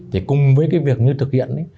thì cùng với cái việc như thực hiện